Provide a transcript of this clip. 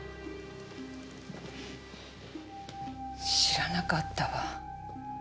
知らなかったわ。